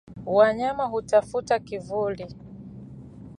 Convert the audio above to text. Wanyama hutafuta kivuli